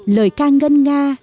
lời ca ngân nga